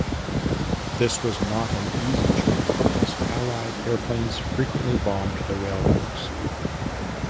This was not an easy journey as allied airplanes frequently bombed the railroads.